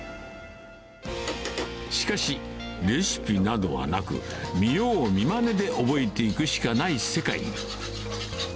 しかし、レシピなどはなく、見よう見まねで覚えていくしかない世界。